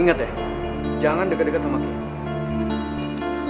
ingat ya jangan deket deket sama dia